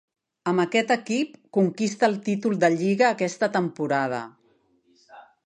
Amb aquest equip conquista el títol de Lliga aquesta temporada.